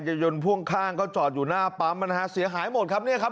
ยนต์พ่วงข้างก็จอดอยู่หน้าปั๊มนะฮะเสียหายหมดครับเนี่ยครับ